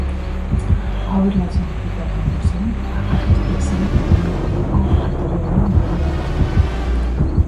Hau erlazionatuta egongo zen Agatoklesen behe mailako jatorriaren mailarekin.